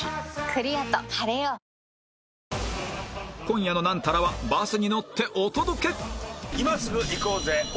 今夜の『ナンタラ』はバスに乗ってお届け！